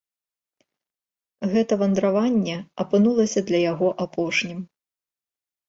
Гэта вандраванне апынулася для яго апошнім.